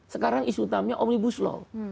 sekarang isu utamanya omnibus law